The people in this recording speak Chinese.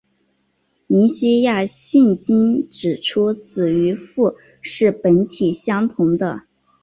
尼西亚信经指出子与父是本体相同的。